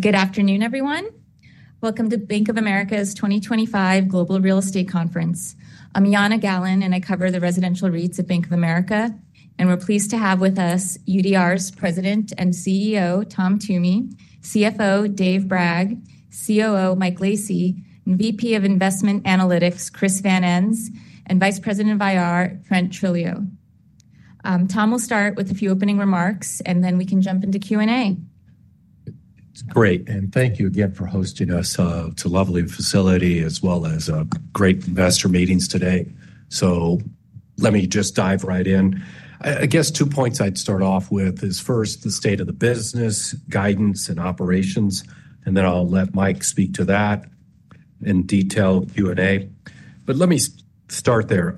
Good afternoon, everyone. Welcome to Bank of America's 2025 Global Real Estate Conference. I'm Yana Gallen, and I cover the residential REITs at Bank of America. We're pleased to have with us UDR's President and CEO, Thomas Toomey, CFO, Dave Bragg, COO, Mike Lacy, VP of Investment Analytics, Chris Van Ens, and Vice President of IR, Trent Trujillo. Tom will start with a few opening remarks, and then we can jump into Q&A. Great, and thank you again for hosting us. It's a lovely facility as well as great investor meetings today. Let me just dive right in. I guess two points I'd start off with are first the state of the business guidance and operations, and then I'll let Mike speak to that in detail Q&A. Let me start there.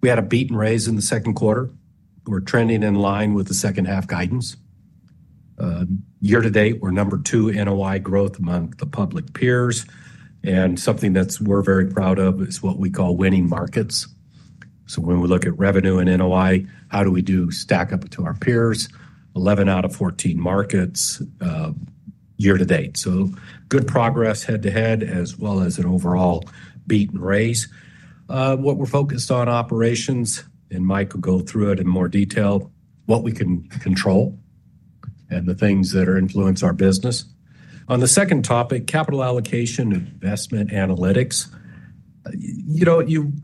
We had a beat and raise in the second quarter. We're trending in line with the second half guidance. Year to date, we're number two NOI growth among the public multifamily REIT peers. Something that we're very proud of is what we call winning markets. When we look at revenue and NOI, how do we stack up to our peers? 11 out of 14 markets year to date. Good progress head to head as well as an overall beat and raise. We're focused on operations, and Mike will go through it in more detail, what we can control and the things that influence our business. On the second topic, capital allocation and investment analytics,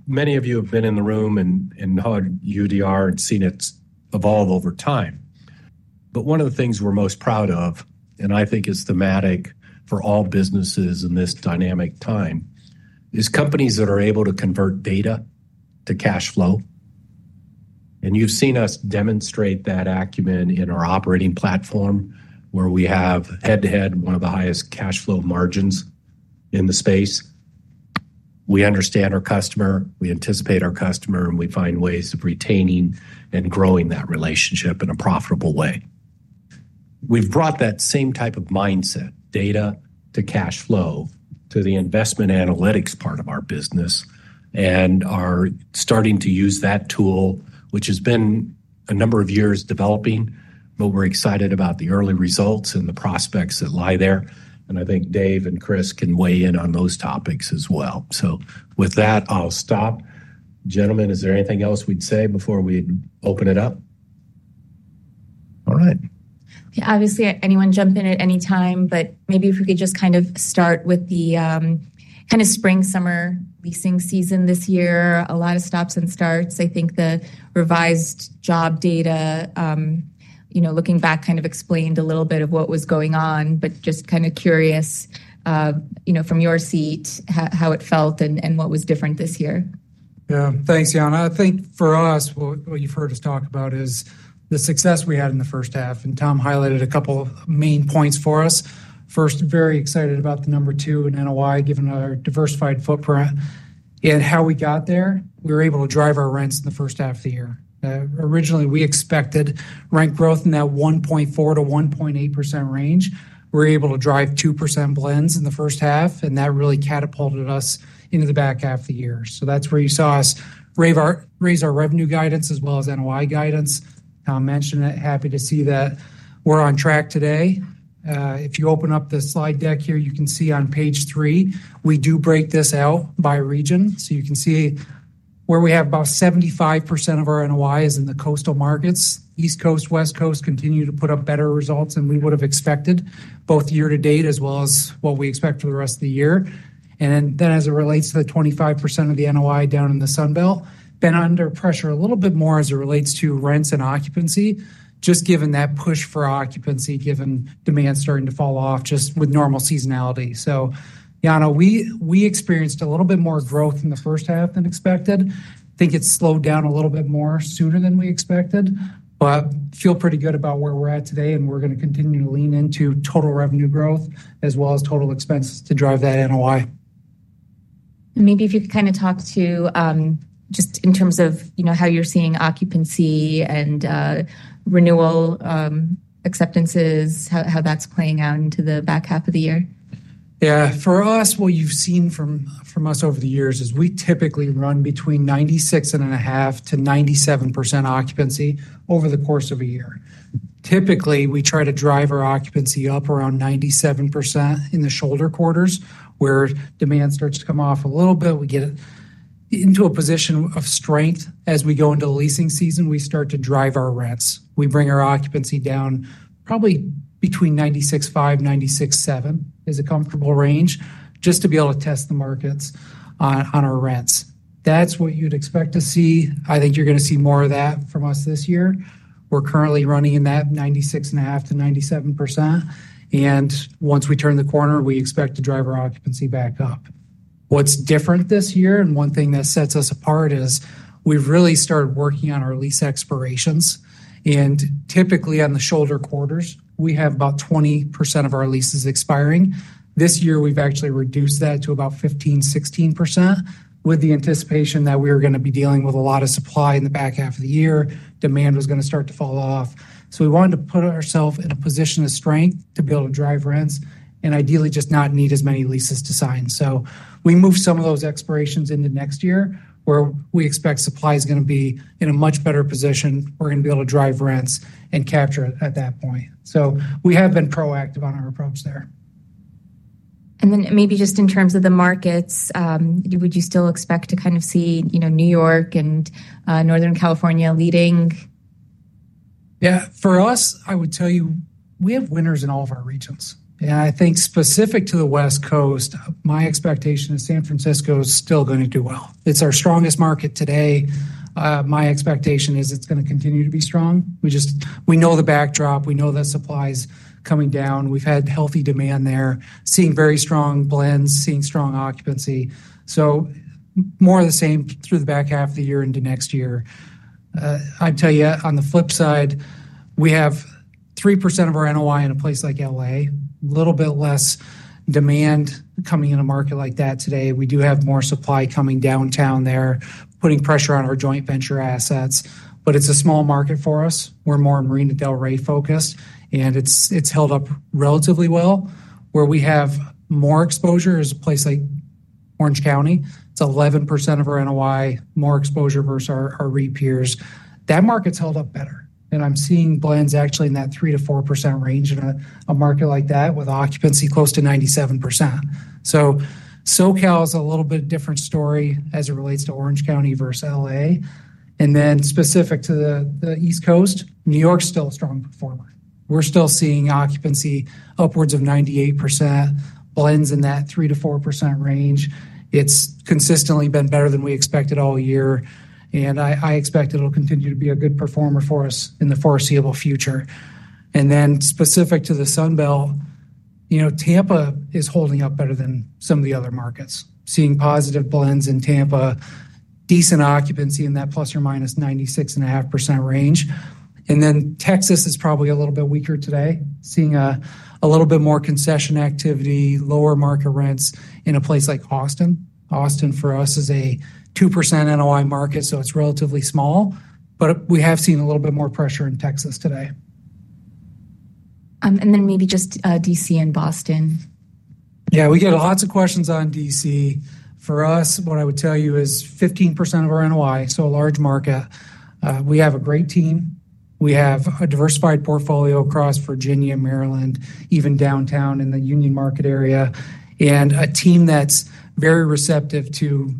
many of you have been in the room and know UDR and seen it evolve over time. One of the things we're most proud of, and I think is thematic for all businesses in this dynamic time, is companies that are able to convert data to cash flow. You've seen us demonstrate that acumen in our operating platform where we have head to head one of the highest cash flow margins in the space. We understand our customer, we anticipate our customer, and we find ways of retaining and growing that relationship in a profitable way. We've brought that same type of mindset, data to cash flow, to the investment analytics part of our business, and are starting to use that tool, which has been a number of years developing. We're excited about the early results and the prospects that lie there. I think Dave and Chris can weigh in on those topics as well. With that, I'll stop. Gentlemen, is there anything else we'd say before we open it up? All right. Yeah, obviously anyone jump in at any time, but maybe if we could just kind of start with the kind of spring-summer leasing season this year. A lot of stops and starts. I think the revised job data, you know, looking back kind of explained a little bit of what was going on, but just kind of curious, you know, from your seat, how it felt and what was different this year. Yeah, thanks, Yana. I think for us, what you've heard us talk about is the success we had in the first half, and Tom highlighted a couple of main points for us. First, very excited about the number two in NOI given our diversified footprint. How we got there, we were able to drive our rents in the first half of the year. Originally, we expected rent growth in that 1.4% to 1.8% range. We were able to drive 2% blends in the first half, and that really catapulted us into the back half of the year. That's where you saw us raise our revenue guidance as well as NOI guidance. Tom mentioned it, happy to see that we're on track today. If you open up the slide deck here, you can see on page three, we do break this out by region. You can see where we have about 75% of our NOI is in the coastal markets. East Coast, West Coast continue to put up better results than we would have expected, both year to date as well as what we expect for the rest of the year. As it relates to the 25% of the NOI down in the Sun Belt, been under pressure a little bit more as it relates to rents and occupancy, just given that push for occupancy, given demand starting to fall off just with normal seasonality. Yana, we experienced a little bit more growth in the first half than expected. I think it's slowed down a little bit more sooner than we expected, but feel pretty good about where we're at today, and we're going to continue to lean into total revenue growth as well as total expenses to drive that NOI. Could you kind of talk to, in terms of how you're seeing occupancy and renewal acceptances, how that's playing out into the back half of the year? Yeah, for us, what you've seen from us over the years is we typically run between 96.5% to 97% occupancy over the course of a year. Typically, we try to drive our occupancy up around 97% in the shoulder quarters where demand starts to come off a little bit. We get into a position of strength as we go into the leasing season. We start to drive our rents. We bring our occupancy down probably between 96.5% and 96.7% is a comfortable range just to be able to test the markets on our rents. That's what you'd expect to see. I think you're going to see more of that from us this year. We're currently running in that 96.5% to 97%, and once we turn the corner, we expect to drive our occupancy back up. What's different this year, and one thing that sets us apart is we've really started working on our lease expirations, and typically on the shoulder quarters, we have about 20% of our leases expiring. This year, we've actually reduced that to about 15-16% with the anticipation that we were going to be dealing with a lot of supply in the back half of the year. Demand was going to start to fall off. We wanted to put ourselves in a position of strength to be able to drive rents and ideally just not need as many leases to sign. We moved some of those expirations into next year where we expect supply is going to be in a much better position. We're going to be able to drive rents and capture it at that point. We have been proactive on our approach there. Maybe just in terms of the markets, would you still expect to kind of see New York and Northern California leading? Yeah, for us, I would tell you we have winners in all of our regions. I think specific to the West Coast, my expectation is San Francisco is still going to do well. It's our strongest market today. My expectation is it's going to continue to be strong. We just know the backdrop. We know the supply is coming down. We've had healthy demand there, seeing very strong blends, seeing strong occupancy. More of the same through the back half of the year into next year. I'd tell you on the flip side, we have 3% of our NOI in a place like LA, a little bit less demand coming in a market like that today. We do have more supply coming downtown there, putting pressure on our joint venture assets, but it's a small market for us. We're more Marina del Rey focused, and it's held up relatively well. Where we have more exposure is a place like Orange County. It's 11% of our NOI, more exposure versus our REIT peers. That market's held up better. I'm seeing blends actually in that 3% to 4% range in a market like that with occupancy close to 97%. So SoCal is a little bit of a different story as it relates to Orange County versus LA. Specific to the East Coast, New York's still a strong performer. We're still seeing occupancy upwards of 98%, blends in that 3% to 4% range. It's consistently been better than we expected all year. I expect it will continue to be a good performer for us in the foreseeable future. Specific to the Sun Belt, you know, Tampa is holding up better than some of the other markets, seeing positive blends in Tampa, decent occupancy in that plus or minus 96.5% range. Texas is probably a little bit weaker today, seeing a little bit more concession activity, lower market rents in a place like Austin. Austin for us is a 2% NOI market, so it's relatively small, but we have seen a little bit more pressure in Texas today. Maybe just DC and Boston. Yeah, we get lots of questions on DC. For us, what I would tell you is 15% of our NOI, so a large market. We have a great team. We have a diversified portfolio across Virginia, Maryland, even downtown in the Union Market area, and a team that's very receptive to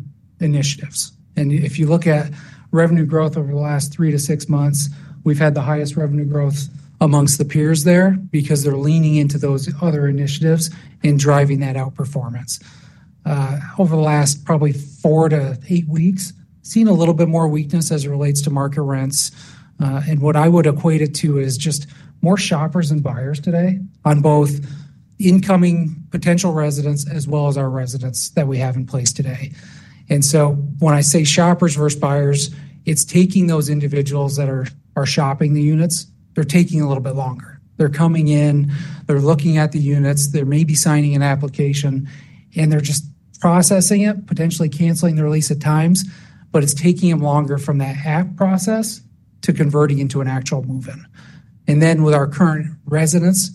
initiatives. If you look at revenue growth over the last three to six months, we've had the highest revenue growth amongst the peers there because they're leaning into those other initiatives in driving that outperformance. Over the last probably four to eight weeks, we've seen a little bit more weakness as it relates to market rents. What I would equate it to is just more shoppers and buyers today on both incoming potential residents as well as our residents that we have in place today. When I say shoppers versus buyers, it's taking those individuals that are shopping the units, they're taking a little bit longer. They're coming in, they're looking at the units, they're maybe signing an application, and they're just processing it, potentially canceling the release at times, but it's taking them longer from that half process to converting into an actual move-in. With our current residents,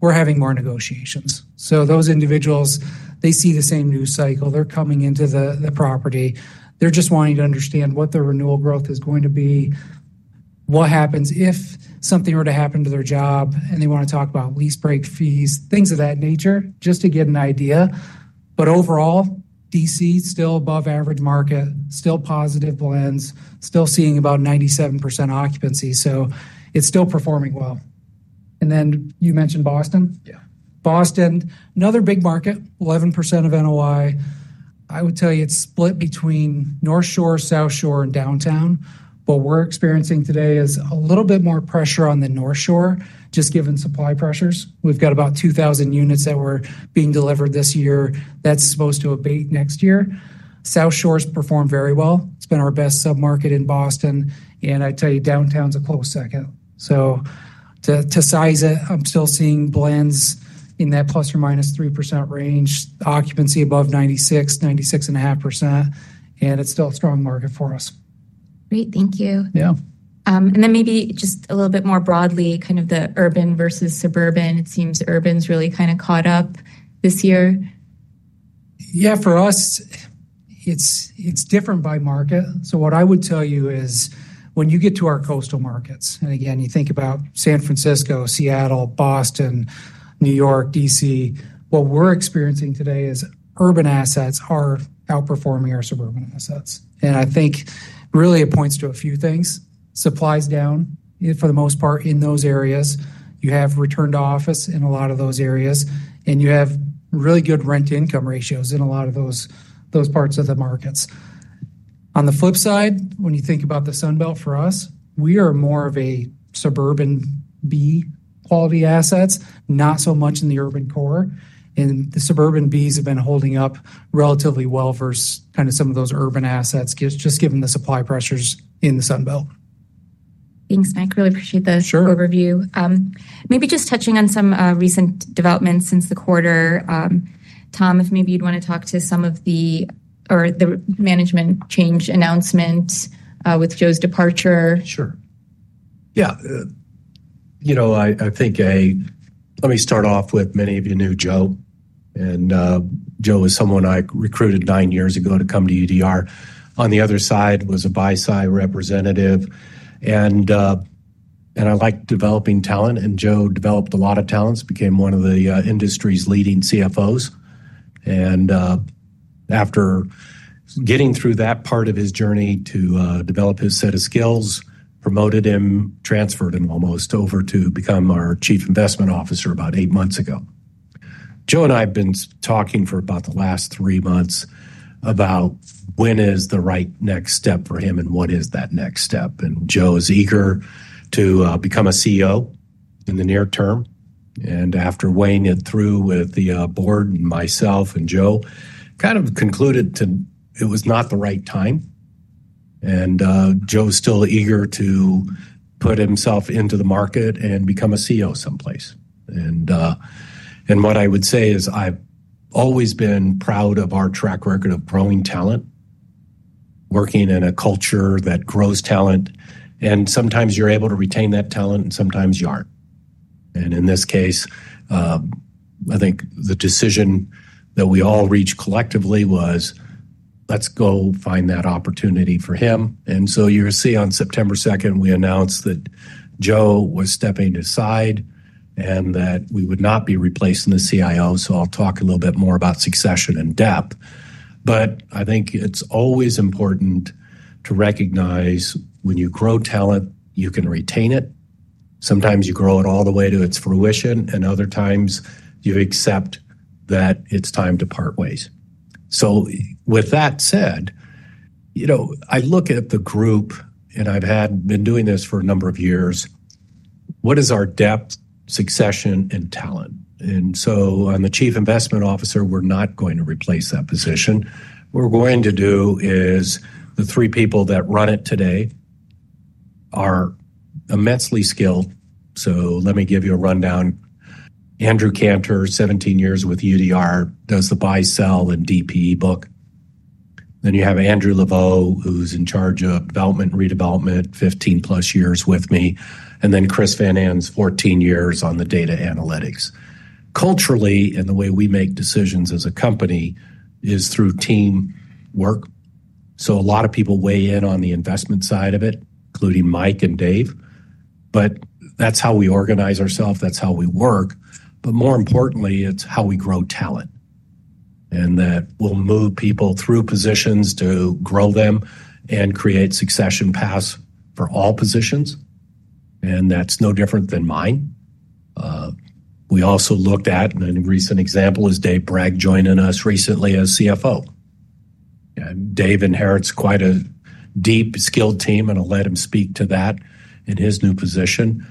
we're having more negotiations. Those individuals, they see the same news cycle. They're coming into the property. They're just wanting to understand what their renewal growth is going to be, what happens if something were to happen to their job, and they want to talk about lease break fees, things of that nature, just to get an idea. Overall, DC is still above average market, still positive blends, still seeing about 97% occupancy. It's still performing well. You mentioned Boston. Boston, another big market, 11% of NOI. I would tell you it's split between North Shore, South Shore, and Downtown. What we're experiencing today is a little bit more pressure on the North Shore, just given supply pressures. We've got about 2,000 units that were being delivered this year that's supposed to abate next year. South Shore's performed very well. It's been our best submarket in Boston. Downtown's a close second. To size it, I'm still seeing blends in that plus or minus 3% range, occupancy above 96%, 96.5%. It's still a strong market for us. Great, thank you. Maybe just a little bit more broadly, kind of the urban versus suburban, it seems urban's really kind of caught up this year. For us, it's different by market. What I would tell you is when you get to our coastal markets, and again, you think about San Francisco, Seattle, Boston, New York, DC, what we're experiencing today is urban assets are outperforming our suburban assets. I think really it points to a few things. Supply's down for the most part in those areas. You have return to office in a lot of those areas, and you have really good rent income ratios in a lot of those parts of the markets. On the flip side, when you think about the Sun Belt for us, we are more of a suburban B quality assets, not so much in the urban core. The suburban Bs have been holding up relatively well versus some of those urban assets, just given the supply pressures in the Sun Belt. Thanks, Mike. Really appreciate the overview. Maybe just touching on some recent developments since the quarter. Tom, if maybe you'd want to talk to some of the management change announcements with Joseph Fisher's departure. Sure. I think let me start off with many of you knew Joe, and Joe is someone I recruited nine years ago to come to UDR. On the other side was a buy-side representative, and I liked developing talent, and Joe developed a lot of talents, became one of the industry's leading CFOs. After getting through that part of his journey to develop his set of skills, promoted him, transferred him almost over to become our Chief Investment Officer about eight months ago. Joe and I have been talking for about the last three months about when is the right next step for him and what is that next step, and Joe is eager to become a CEO in the near term. After weighing it through with the board and myself and Joe, kind of concluded it was not the right time, and Joe's still eager to put himself into the market and become a CEO someplace. What I would say is I've always been proud of our track record of growing talent, working in a culture that grows talent, and sometimes you're able to retain that talent and sometimes you aren't. In this case, I think the decision that we all reached collectively was let's go find that opportunity for him. You'll see on September 2nd, we announced that Joe was stepping aside and that we would not be replacing the CIO. I'll talk a little bit more about succession in depth. I think it's always important to recognize when you grow talent, you can retain it. Sometimes you grow it all the way to its fruition, and other times you accept that it's time to part ways. With that said, I look at the group, and I've been doing this for a number of years. What is our depth, succession, and talent? I'm the Chief Investment Officer. We're not going to replace that position. What we're going to do is the three people that run it today are immensely skilled. Let me give you a rundown. Andrew Cantor, 17 years with UDR, does the buy, sell, and DPE book. Then you have Andrew Laveau, who's in charge of development and redevelopment, 15 plus years with me. Then Chris Van Ens, 14 years on the data analytics. Culturally, and the way we make decisions as a company is through teamwork. A lot of people weigh in on the investment side of it, including Mike and Dave. That's how we organize ourselves. That's how we work. More importantly, it's how we grow talent. We'll move people through positions to grow them and create succession paths for all positions. That's no different than mine. We also looked at, and a recent example is Dave Bragg joining us recently as CFO. Dave inherits quite a deep, skilled team, and I'll let him speak to that in his new position.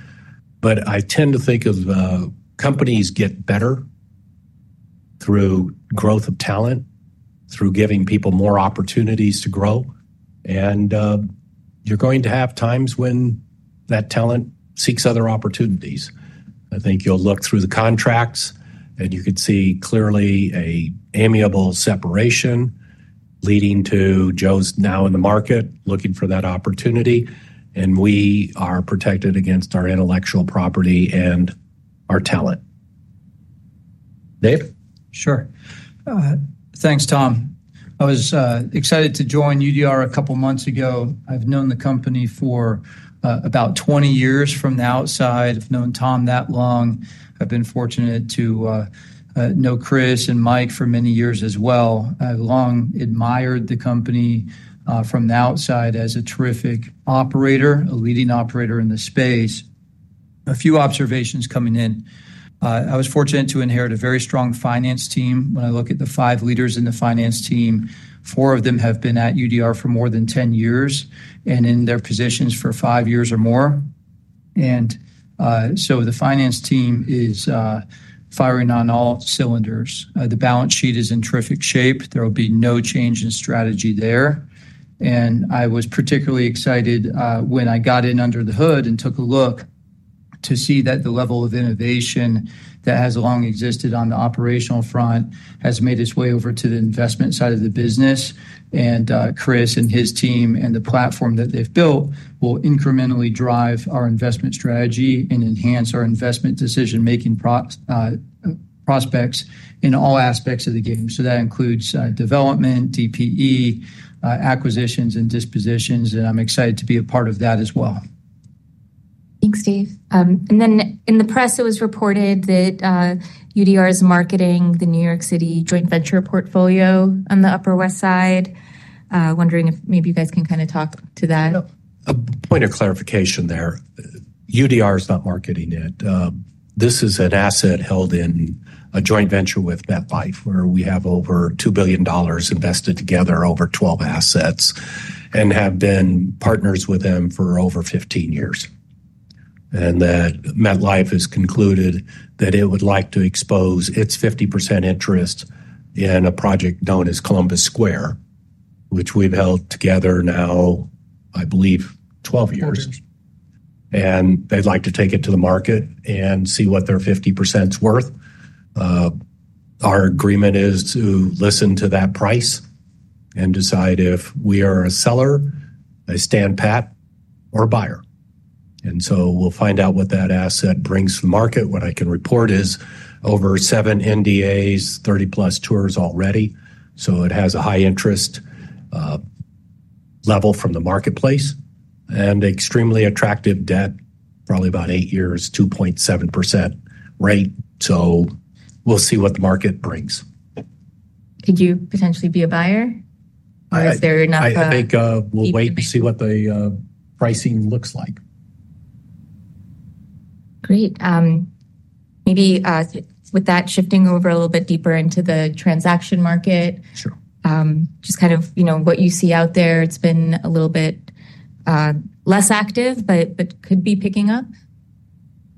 I tend to think of companies getting better through growth of talent, through giving people more opportunities to grow. You're going to have times when that talent seeks other opportunities. I think you'll look through the contracts, and you could see clearly an amiable separation leading to Joe's now in the market looking for that opportunity. We are protected against our intellectual property and our talent. Dave? Sure. Thanks, Tom. I was excited to join UDR a couple of months ago. I've known the company for about 20 years from the outside. I've known Tom that long. I've been fortunate to know Chris and Mike for many years as well. I've long admired the company from the outside as a terrific operator, a leading operator in the space. A few observations coming in. I was fortunate to inherit a very strong finance team. When I look at the five leaders in the finance team, four of them have been at UDR for more than 10 years and in their positions for five years or more. The finance team is firing on all cylinders. The balance sheet is in terrific shape. There will be no change in strategy there. I was particularly excited when I got in under the hood and took a look to see that the level of innovation that has long existed on the operational front has made its way over to the investment side of the business. Chris and his team and the platform that they've built will incrementally drive our investment strategy and enhance our investment decision-making prospects in all aspects of the game. That includes development, DPE, acquisitions, and dispositions. I'm excited to be a part of that as well. Thanks, Steve. In the press, it was reported that UDR is marketing the New York joint venture portfolio on the Upper West Side. Wondering if maybe you guys can kind of talk to that. A point of clarification there. UDR is not marketing it. This is an asset held in a joint venture with MetLife, where we have over $2 billion invested together over 12 assets and have been partners with them for over 15 years. MetLife has concluded that it would like to expose its 50% interest in a project known as Columbus Square, which we've held together now, I believe, 12 years. They'd like to take it to the market and see what their 50% is worth. Our agreement is to listen to that price and decide if we are a seller, a standpat, or a buyer. We'll find out what that asset brings to the market. What I can report is over seven NDAs, 30 plus tours already. It has a high interest level from the marketplace and extremely attractive debt, probably about eight years, 2.7% rate. We'll see what the market brings. Could you potentially be a buyer? I think we'll wait and see what the pricing looks like. Great. Maybe with that, shifting over a little bit deeper into the transaction market. Just kind of what you see out there. It's been a little bit less active, but could be picking up.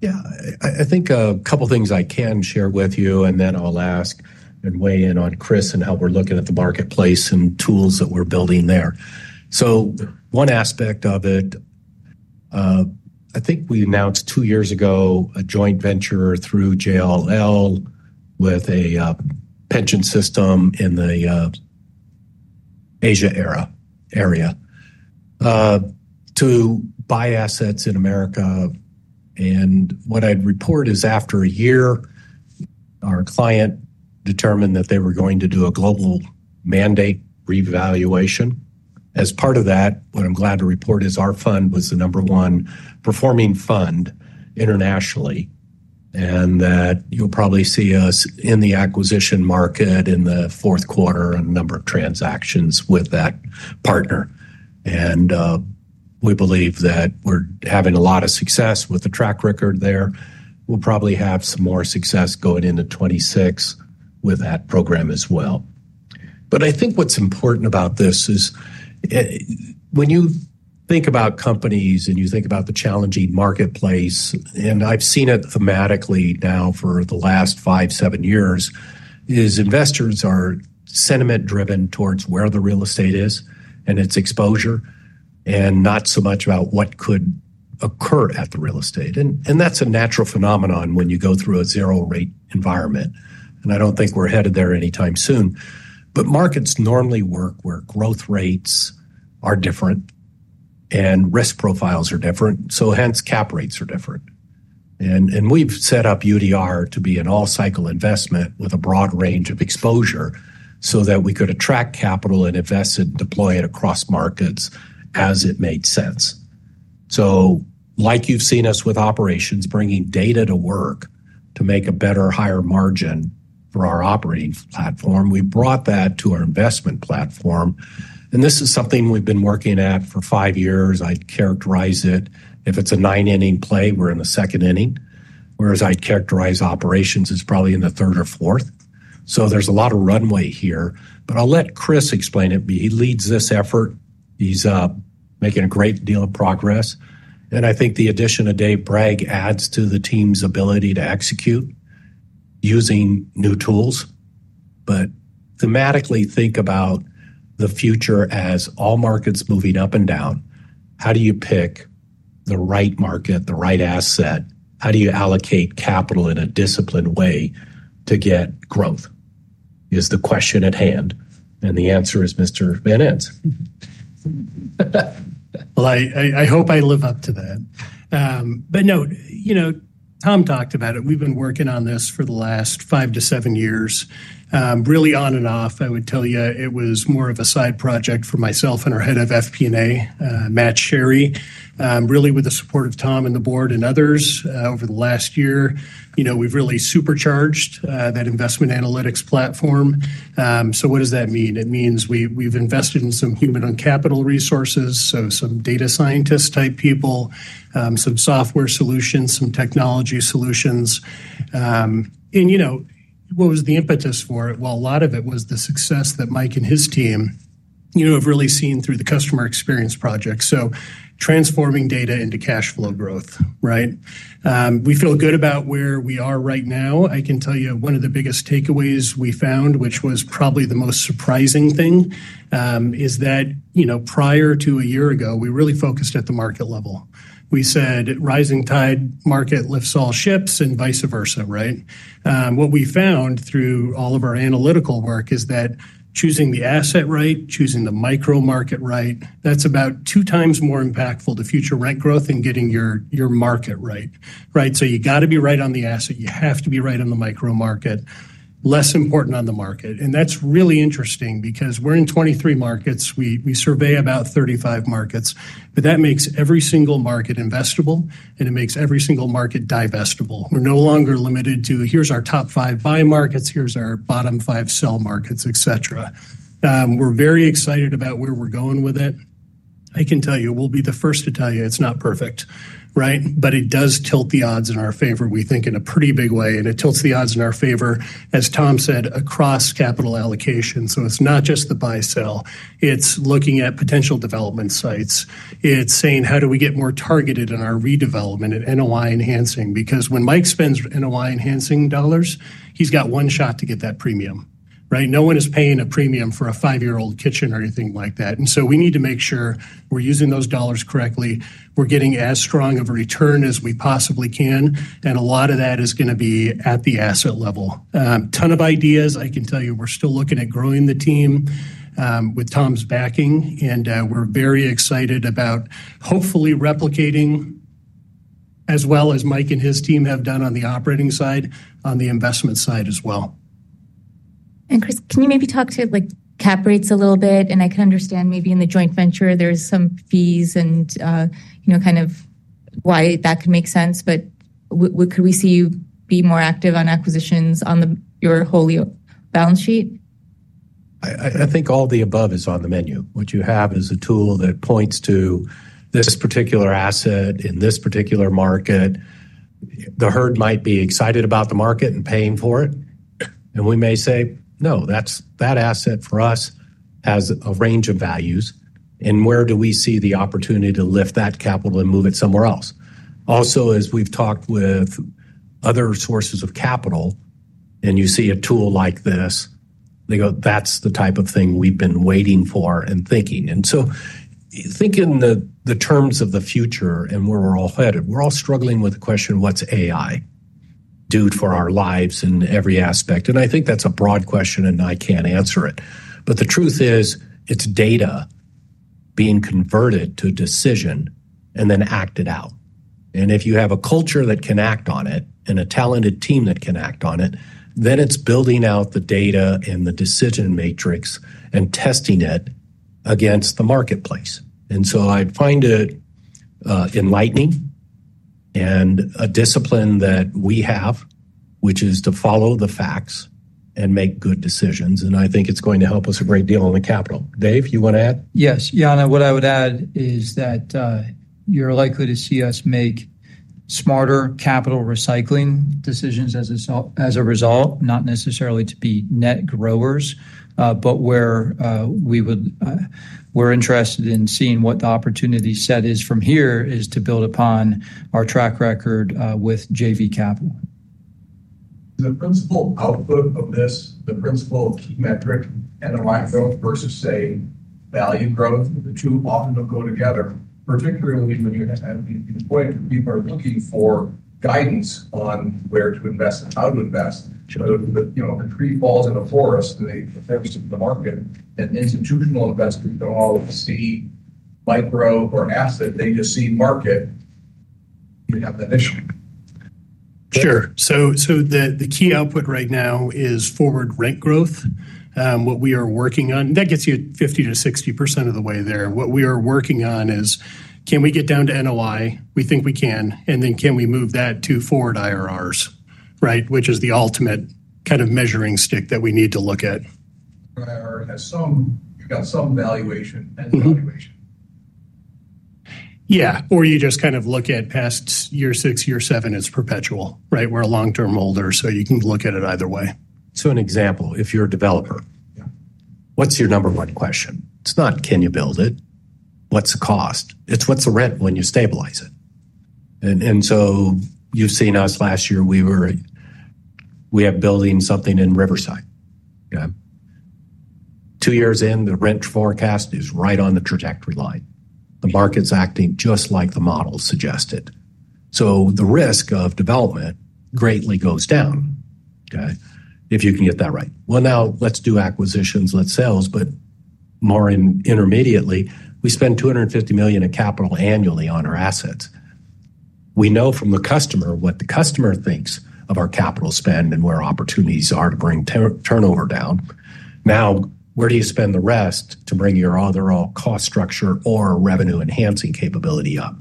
Yeah, I think a couple of things I can share with you, and then I'll ask and weigh in on Chris and how we're looking at the marketplace and tools that we're building there. One aspect of it, I think we announced two years ago a joint venture through JLL with a pension system in the Asia area to buy assets in America. What I'd report is after a year, our client determined that they were going to do a global mandate reevaluation. As part of that, what I'm glad to report is our fund was the number one performing fund internationally. You'll probably see us in the acquisition market in the fourth quarter on the number of transactions with that partner. We believe that we're having a lot of success with the track record there. We'll probably have some more success going into 2026 with that program as well. I think what's important about this is when you think about companies and you think about the challenging marketplace, and I've seen it thematically now for the last five, seven years, investors are sentiment-driven towards where the real estate is and its exposure and not so much about what could occur at the real estate. That's a natural phenomenon when you go through a zero-rate environment. I don't think we're headed there anytime soon. Markets normally work where growth rates are different and risk profiles are different. Hence, cap rates are different. We've set up UDR to be an all-cycle investment with a broad range of exposure so that we could attract capital and invest it and deploy it across markets as it made sense. Like you've seen us with operations bringing data to work to make a better, higher margin for our operating platform, we brought that to our investment platform. This is something we've been working at for five years. I characterize it, if it's a nine-inning play, we're in the second inning, whereas I characterize operations as probably in the third or fourth. There's a lot of runway here, but I'll let Chris explain it. He leads this effort. He's making a great deal of progress. I think the addition of Dave Bragg adds to the team's ability to execute using new tools. Thematically, think about the future as all markets moving up and down. How do you pick the right market, the right asset? How do you allocate capital in a disciplined way to get growth is the question at hand. The answer is Mr. Van Ens. I hope I live up to that. Tom talked about it. We've been working on this for the last five to seven years, really on and off. I would tell you it was more of a side project for myself and our Head of FP&A, Matt Sherry, really with the support of Tom and the board and others over the last year. We've really supercharged that investment analytics platform. What does that mean? It means we've invested in some human and capital resources, so some data scientist type people, some software solutions, some technology solutions. What was the impetus for it? A lot of it was the success that Mike and his team have really seen through the customer experience project. Transforming data into cash flow growth, right? We feel good about where we are right now. I can tell you one of the biggest takeaways we found, which was probably the most surprising thing, is that prior to a year ago, we really focused at the market level. We said rising tide market lifts all ships and vice versa, right? What we found through all of our analytical work is that choosing the asset right, choosing the micro market right, that's about two times more impactful to future rent growth than getting your market right, right? You have to be right on the asset. You have to be right on the micro market, less important on the market. That's really interesting because we're in 23 markets. We survey about 35 markets, but that makes every single market investable, and it makes every single market divestable. We're no longer limited to here's our top five buy markets, here's our bottom five sell markets, etc. We're very excited about where we're going with it. I can tell you, we'll be the first to tell you it's not perfect, right? It does tilt the odds in our favor, we think, in a pretty big way. It tilts the odds in our favor, as Tom said, across capital allocation. It's not just the buy-sell. It's looking at potential development sites. It's saying, how do we get more targeted in our redevelopment and NOI enhancing? When Mike spends NOI enhancing dollars, he's got one shot to get that premium, right? No one is paying a premium for a five-year-old kitchen or anything like that. We need to make sure we're using those dollars correctly. We're getting as strong of a return as we possibly can. A lot of that is going to be at the asset level. A ton of ideas. I can tell you we're still looking at growing the team with Tom's backing. We're very excited about hopefully replicating as well as Mike and his team have done on the operating side, on the investment side as well. Chris, can you maybe talk to cap rates a little bit? I can understand maybe in the joint venture, there are some fees and kind of why that could make sense. What could we see you be more active on acquisitions on your whole balance sheet? I think all the above is on the menu. What you have is a tool that points to this particular asset in this particular market. The herd might be excited about the market and paying for it. We may say, no, that asset for us has a range of values. Where do we see the opportunity to lift that capital and move it somewhere else? Also, as we've talked with other sources of capital, and you see a tool like this, they go, that's the type of thing we've been waiting for and thinking. Think in the terms of the future and where we're all headed. We're all struggling with the question, what's AI do for our lives in every aspect? I think that's a broad question, and I can't answer it. The truth is, it's data being converted to a decision and then acted out. If you have a culture that can act on it and a talented team that can act on it, then it's building out the data and the decision matrix and testing it against the marketplace. I find it enlightening and a discipline that we have, which is to follow the facts and make good decisions. I think it's going to help us a great deal on the capital. Dave, you want to add? Yes, Yana, what I would add is that you're likely to see us make smarter capital recycling decisions as a result, not necessarily to be net growers, but where we're interested in seeing what the opportunity set is from here is to build upon our track record with JV capital. The principal output of this, the principal metric, NOI, versus say value growth, the two often don't go together, particularly when you're at a point where people are looking for guidance on where to invest, how to invest. The tree falls in a forest and they exit the market. Institutional investors don't always see micro or an asset. They just see market. Sure. The key output right now is forward rent growth. What we are working on, that gets you 50% to 60% of the way there. What we are working on is, can we get down to NOI? We think we can. Can we move that to forward IRRs, right? Which is the ultimate kind of measuring stick that we need to look at. There are some valuation and. Yeah, you just kind of look at past year six, year seven, it's perpetual, right? We're a long-term holder, so you can look at it either way. An example, if you're a developer, what's your number one question? It's not, can you build it? What's the cost? It's what's the rent when you stabilize it? You've seen us last year, we were building something in Riverside. Two years in, the rent forecast is right on the trajectory line. The market's acting just like the model suggested. The risk of development greatly goes down if you can get that right. Now let's do acquisitions, let's sales, but more intermediately, we spend $250 million in capital annually on our assets. We know from the customer what the customer thinks of our capital spend and where opportunities are to bring turnover down. Where do you spend the rest to bring your other cost structure or revenue enhancing capability up?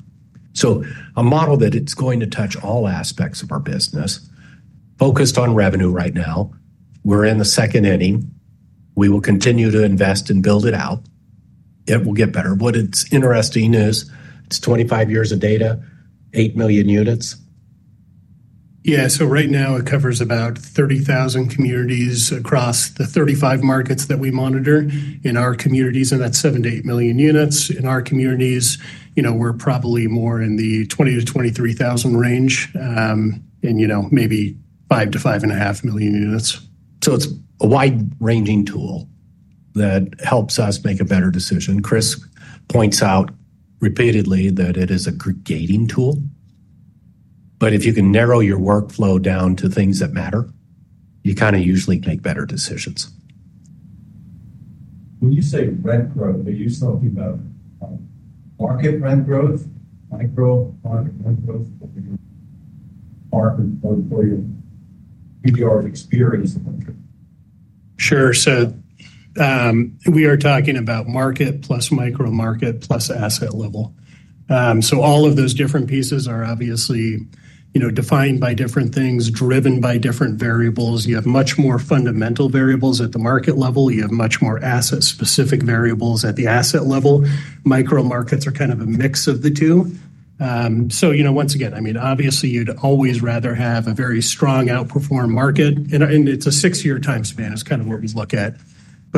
A model that is going to touch all aspects of our business, focused on revenue right now. We're in the second inning. We will continue to invest and build it out. It will get better. What's interesting is it's 25 years of data, 8 million units. Yeah, right now it covers about 30,000 communities across the 35 markets that we monitor. In our communities, that's 7 to 8 million units. In our communities, we're probably more in the 20,000 to 23,000 range, and maybe 5 to 5.5 million units. It is a wide-ranging tool that helps us make a better decision. Chris Van Ens points out repeatedly that it is a gating tool. If you can narrow your workflow down to things that matter, you kind of usually make better decisions. When you say rent growth, are you talking about market rent growth, micro-market rent growth, or your experience with the market? Sure. We are talking about market plus micro market plus asset level. All of those different pieces are obviously defined by different things, driven by different variables. You have much more fundamental variables at the market level. You have much more asset-specific variables at the asset level. Micro markets are kind of a mix of the two. You'd always rather have a very strong outperform market, and a six-year time span is kind of where we look at.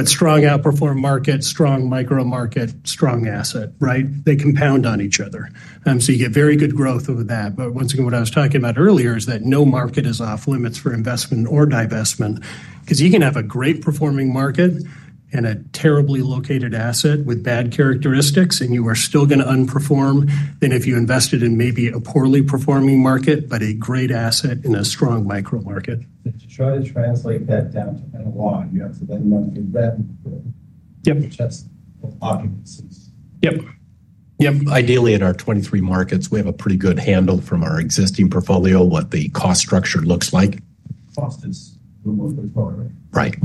Strong outperform market, strong micro market, strong asset, right? They compound on each other, and you get very good growth over that. What I was talking about earlier is that no market is off limits for investment or divestment, because you can have a great performing market and a terribly located asset with bad characteristics, and you are still going to underperform than if you invested in maybe a poorly performing market, but a great asset in a strong micro market. It's a shot to translate that down to NOI. You have to look at monthly rent, which has a lot of. Ideally, in our 23 markets, we have a pretty good handle from our existing portfolio what the cost structure looks like. Right.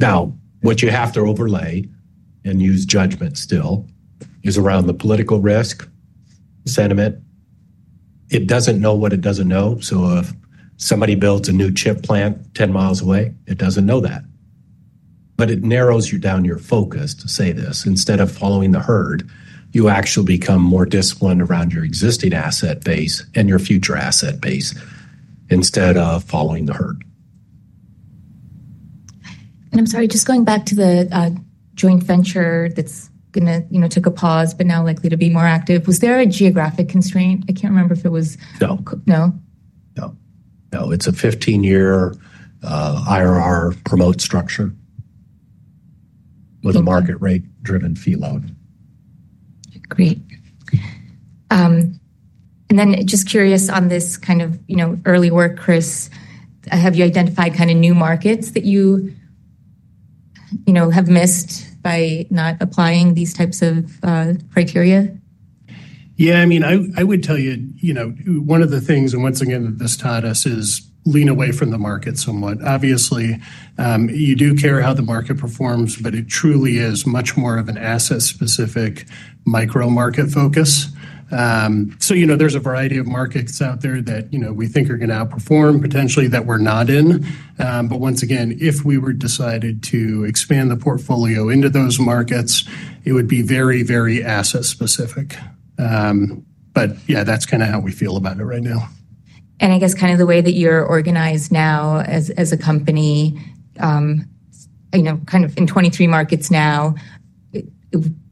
Now, what you have to overlay and use judgment still is around the political risk, the sentiment. It doesn't know what it doesn't know. If somebody builds a new chip plant 10 miles away, it doesn't know that. It narrows you down your focus to say this: instead of following the herd, you actually become more disciplined around your existing asset base and your future asset base, instead of following the herd. I'm sorry, just going back to the joint venture that's going to, you know, take a pause, but now likely to be more active. Was there a geographic constraint? I can't remember if it was. No? No, it's a 15-year IRR remote structure with a market rate-driven fee load. Great. Just curious on this kind of early work, Chris, have you identified kind of new markets that you have missed by not applying these types of criteria? Yeah, I mean, I would tell you, you know, one of the things, and once again, this taught us is lean away from the market somewhat. Obviously, you do care how the market performs, but it truly is much more of an asset-specific micro-market focus. You know, there's a variety of markets out there that, you know, we think are going to outperform potentially that we're not in. Once again, if we were decided to expand the portfolio into those markets, it would be very, very asset-specific. Yeah, that's kind of how we feel about it right now. I guess kind of the way that you're organized now as a company, you know, kind of in 23 markets now,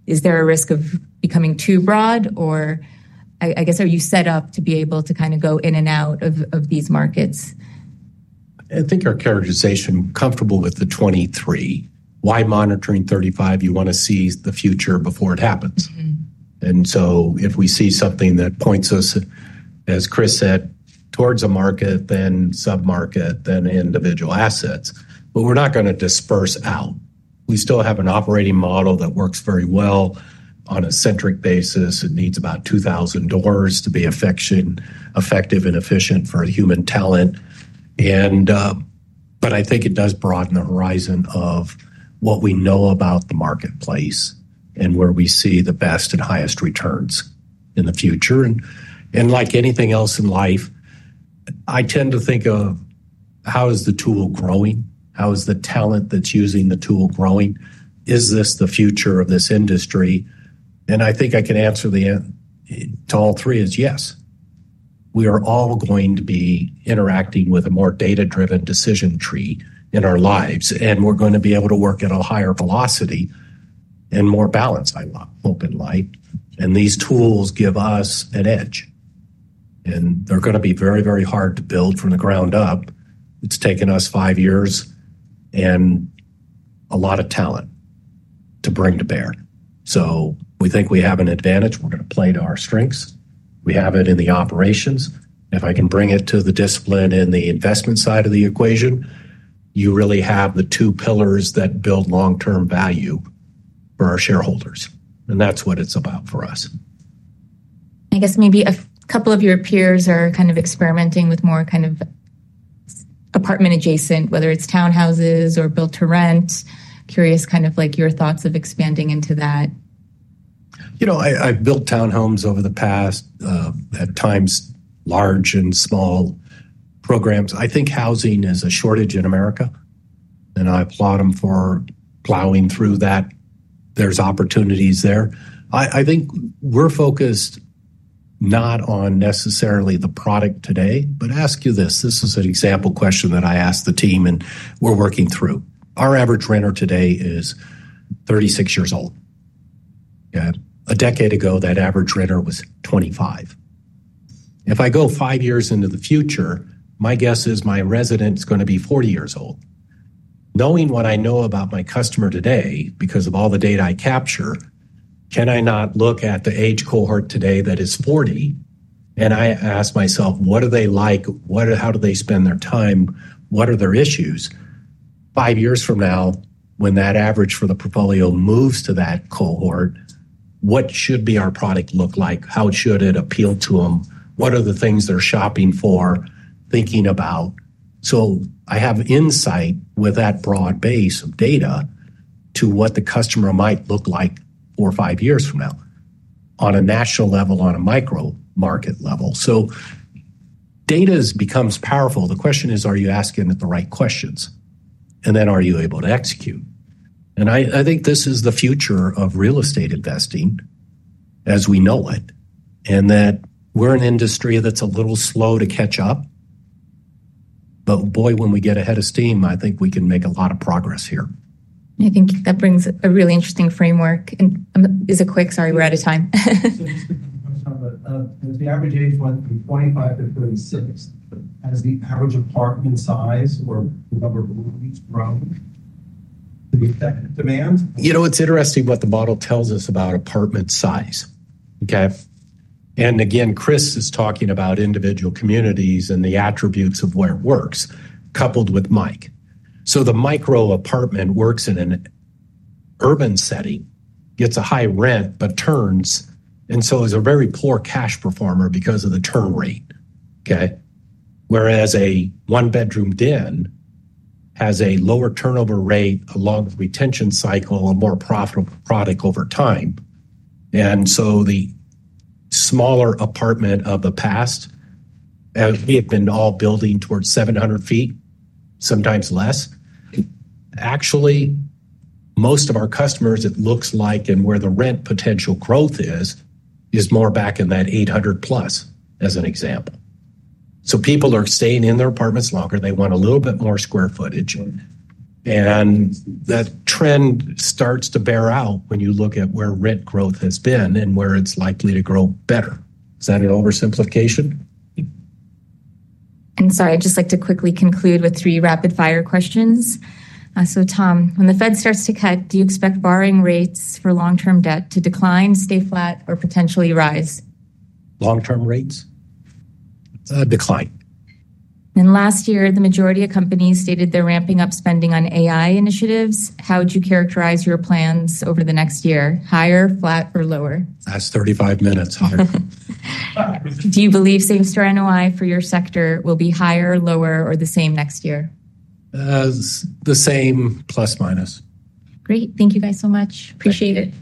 is there a risk of becoming too broad, or I guess are you set up to be able to kind of go in and out of these markets? I think our characterization is comfortable with the 23. Why monitor in 35? You want to see the future before it happens. If we see something that points us, as Chris said, towards a market, then submarket, then individual assets, we're not going to disperse out. We still have an operating model that works very well on a centric basis. It needs about 2,000 doors to be effective and efficient for human talent. I think it does broaden the horizon of what we know about the marketplace and where we see the best and highest returns in the future. Like anything else in life, I tend to think of how is the tool growing? How is the talent that's using the tool growing? Is this the future of this industry? I think I can answer to all three is yes. We are all going to be interacting with a more data-driven decision tree in our lives, and we're going to be able to work at a higher velocity and more balanced by open light. These tools give us an edge, and they're going to be very, very hard to build from the ground up. It's taken us five years and a lot of talent to bring to bear. We think we have an advantage. We're going to play to our strengths. We have it in the operations. If I can bring it to the discipline and the investment side of the equation, you really have the two pillars that build long-term value for our shareholders. That's what it's about for us. I guess maybe a couple of your peers are kind of experimenting with more kind of apartment adjacent, whether it's townhouses or built to rent. Curious, kind of like your thoughts of expanding into that. I've built townhomes over the past, at times large and small programs. I think housing is a shortage in America, and I applaud them for plowing through that. There's opportunities there. I think we're focused not on necessarily the product today, but ask you this. This is an example question that I asked the team, and we're working through. Our average renter today is 36 years old. A decade ago, that average renter was 25. If I go five years into the future, my guess is my resident is going to be 40 years old. Knowing what I know about my customer today, because of all the data I capture, can I not look at the age cohort today that is 40? I ask myself, what do they like? How do they spend their time? What are their issues? Five years from now, when that average for the portfolio moves to that cohort, what should be our product look like? How should it appeal to them? What are the things they're shopping for, thinking about? I have insight with that broad base of data to what the customer might look like four or five years from now on a national level, on a micro market level. Data becomes powerful. The question is, are you asking the right questions? Are you able to execute? I think this is the future of real estate investing as we know it. We're an industry that's a little slow to catch up. When we get ahead of steam, I think we can make a lot of progress here. I think that brings a really interesting framework. Sorry, we're out of time. Is the average age one from 25 to 36, and is the average apartment size where the number of rooms grows? You know, it's interesting what the model tells us about apartment size. Chris is talking about individual communities and the attributes of where it works, coupled with Mike. The micro apartment works in an urban setting, gets a high rent, but turns, and is a very poor cash performer because of the turn rate. Whereas a one-bedroom den has a lower turnover rate along with retention cycle, a more profitable product over time. The smaller apartment of the past, and we had been all building towards 700 feet, sometimes less. Actually, most of our customers, it looks like, and where the rent potential growth is, is more back in that 800 plus as an example. People are staying in their apartments longer. They want a little bit more square footage. That trend starts to bear out when you look at where rent growth has been and where it's likely to grow better. Is that an oversimplification? I'd just like to quickly conclude with three rapid-fire questions. Tom, when the Fed starts to cut, do you expect borrowing rates for long-term debt to decline, stay flat, or potentially rise? Long-term rates? Decline. Last year, the majority of companies stated they're ramping up spending on AI initiatives. How would you characterize your plans over the next year? Higher, flat, or lower? Last 35 minutes, higher. Do you believe same store NOI for your sector will be higher, lower, or the same next year? The same, plus minus. Great. Thank you guys so much. Appreciate it.